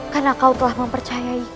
karena kau telah mempercayai